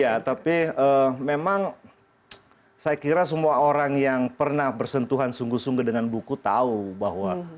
ya tapi memang saya kira semua orang yang pernah bersentuhan sungguh sungguh dengan buku tahu bahwa